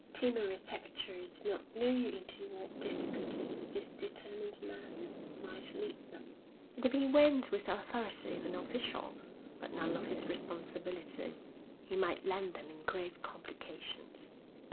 Timorous secretaries did not know into what difficulties this determined man might lead them, and if he went with the authority of an official, but none of his responsibilities, he might land them in grave complications.